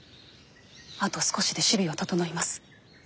あと少しで首尾は整います。